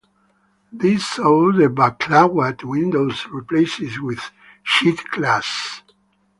This saw the Beclawat windows replaced with sheet glass.